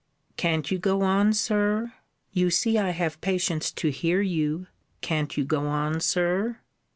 Can't you go on, Sir? You see I have patience to hear you. Can't you go on, Sir?